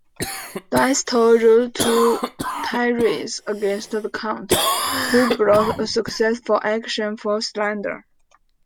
Diestel wrote two tirades against the count, who brought a successful action for slander.